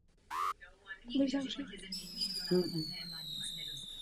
V současnosti pracuje jako odborný asistent na katedře ekonomie Vysoké školy ekonomické v Praze.